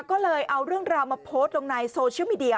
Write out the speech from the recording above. ก็เลยเอาเรื่องราวมาโพสต์ลงในโซเชียลมีเดีย